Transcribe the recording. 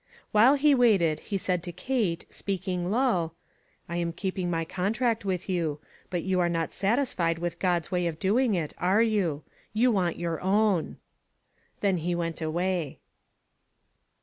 While he waited, he said to Kate, speak ing low :" I am keeping my contract with you. But you are not satisfied with God's way of doing it, are you? You want your own." Then he went awav.